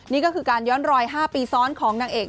นี่ก็คือการย้อนรอย๕ปีซ้อนของนางเอก